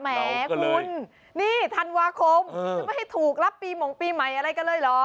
แหมคุณนี่ธันวาคมจะไม่ให้ถูกรับปีหมงปีใหม่อะไรกันเลยเหรอ